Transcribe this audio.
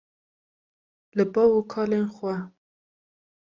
li bav û kalên xwe